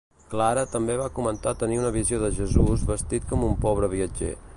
Clara també va comentar tenir una visió de Jesús vestit com un pobre viatger.